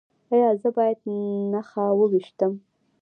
ایا زه باید نښه وویشتم؟